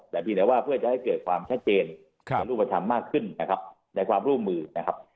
แต่หรือแบบว่าเพื่อให้เกิดความแชชเจนอยู่ผจัมมากขึ้นนะครับใดความร่วมมือนะครับ